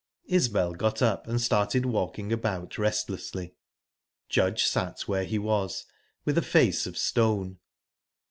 Isbel got up, and started walking about restlessly. Judge sat where he was, with a face of stone.